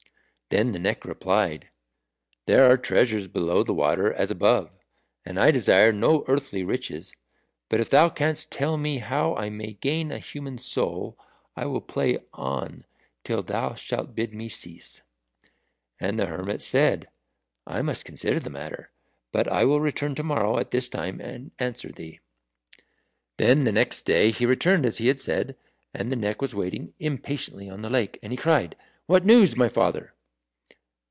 Then the Neck replied, "There are treasures below the water as above, and I desire no earthly riches. But if thou canst tell me how I may gain a human soul, I will play on till thou shalt bid me cease." And the hermit said, "I must consider the matter. But I will return to morrow at this time and answer thee." Then the next day he returned as he had said, and the Neck was waiting impatiently on the lake, and he cried, "What news, my father?"